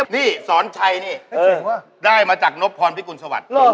นี่สอนชัยนี่ได้มาจากนบพรพิกุณศวรรษ